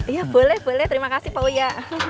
iya boleh boleh terima kasih pak uya